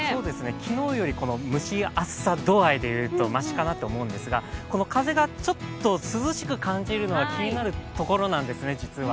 昨日より蒸し暑さ度合いて言うとましかなと思うんですが、風がちょっと涼しく感じるのが気になるところなんですね、実は。